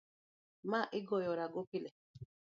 ma igoyorago pile